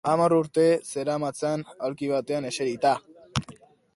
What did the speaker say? Hamar urte zeramatzan aulki batean eserita!